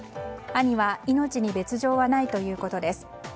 兄は命に別条はないということです。